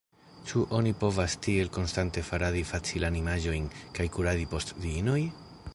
Ĉu oni povas tiel konstante faradi facilanimaĵojn kaj kuradi post diinoj?